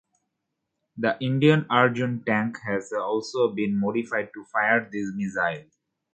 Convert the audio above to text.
The Indian Arjun tank has also been modified to fire this missile.